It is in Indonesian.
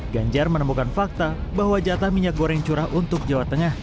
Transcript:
ganjar menemukan fakta bahwa jatah minyak goreng curah untuk jawa tengah